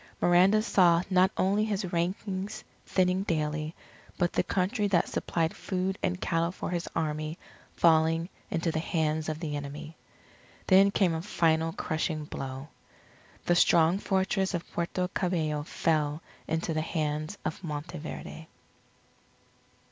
Miranda saw not only his ranks thinning daily, but the country that supplied food and cattle for his army, falling into the hands of the enemy. Then came a final crushing blow: The strong Fortress of Puerto Cabello fell into the hands of Monteverde.